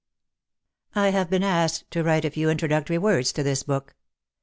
I HAVE been asked to write a few introductory words to this book.